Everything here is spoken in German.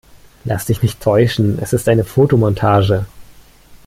Lass dich nicht täuschen, es ist eine Fotomontage.